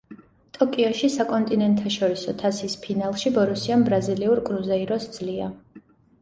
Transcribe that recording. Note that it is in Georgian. ტოკიოში საკონტინენტთაშორისო თასის ფინალში ბორუსიამ ბრაზილიურ „კრუზეიროს“ სძლია.